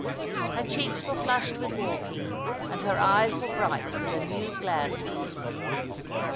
Her cheeks were flushed with walking, and her eyes were bright with a new gladness.